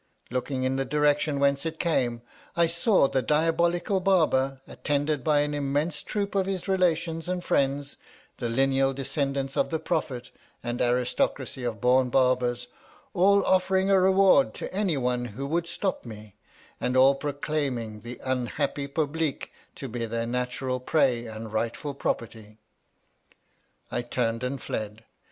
Looking in the direction whence it came, I saw the diabolical Barber, attended by an immense troop of his relations and friends, the lineal descendants of the Prophet and aristocracy of born Barbers, all offering a reward to any one who would stop me, and all proclaiming the unhappy Publeek to be their natural prey and rightful property. I turned and fled.